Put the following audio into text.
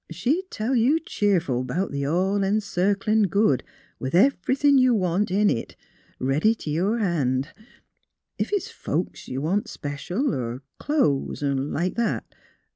She'd tell you cheerful 'bout th' All En circlin' Good, with everythin' you want in it, ready t' your han'. Ef it's folks you want special, er clo'es 'n' like that.